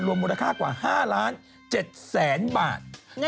รวมมูลค่ากว่า๕๗ล้านบาท